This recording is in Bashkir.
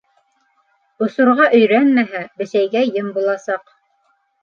Осорға өйрәнмәһә, бесәйгә ем буласаҡ.